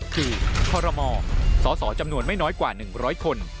คือคอรมสสจำนวนไม่น้อยกว่า๑๐๐คน